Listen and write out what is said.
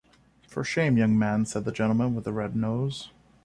‘For shame, young man!’ said the gentleman with the red nose.